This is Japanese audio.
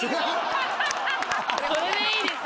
・それでいいです